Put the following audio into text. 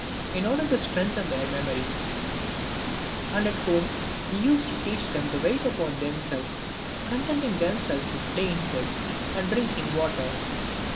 in order to strengthen their memory ; and at home he used to teach them to wait upon themselves, contenting themselves with plain food, and drinking water.